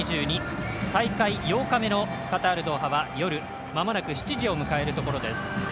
大会８日目のカタールは夜、まもなく７時を迎えるところです。